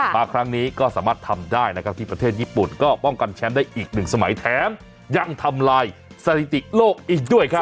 มาครั้งนี้ก็สามารถทำได้นะครับที่ประเทศญี่ปุ่นก็ป้องกันแชมป์ได้อีกหนึ่งสมัยแถมยังทำลายสถิติโลกอีกด้วยครับ